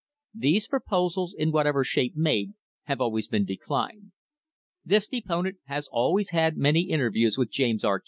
These proposals, in whatever shape made, have always been declined. This deponent has also had many interviews with James R.